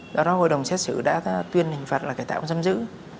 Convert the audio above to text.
do đó hội động xét xử đã tuyên hình phạt là cải tạo không giam giữ